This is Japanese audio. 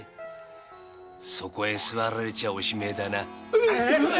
そこに座られちゃあおしめえだな。